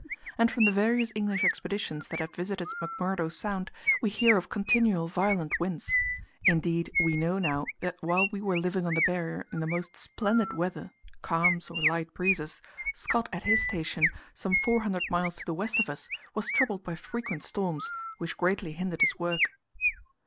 And from the various English expeditions that have visited McMurdo Sound we hear of continual violent winds. Indeed, we know now that while we were living on the Barrier in the most splendid weather calms or light breezes Scott at his station some four hundred miles to the west of us was troubled by frequent storms, which greatly hindered his work.